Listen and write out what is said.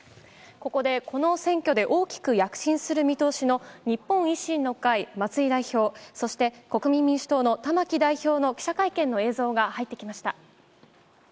ここでこの選挙で大きく躍進する見通しの日本維新の会、松井代表、そして、国民民主党の玉木代表の記者会見の映像が入ってきました。